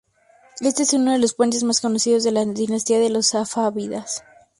Este es uno de los puentes más conocidos de la dinastía de los safávidas.